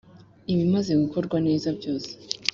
ibimaze gukorwa neza byose